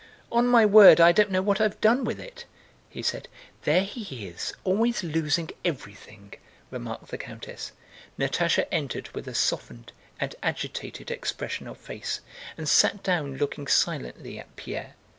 "On my word, I don't know what I've done with it," he said. "There he is, always losing everything!" remarked the countess. Natásha entered with a softened and agitated expression of face and sat down looking silently at Pierre.